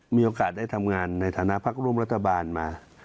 มีโอกาสได้ทำงานในฐานะพักร่วมรัฐบาลมา